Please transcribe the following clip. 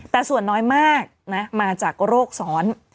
แต่ส่วนน้อยมากมาจากโรคซ้อน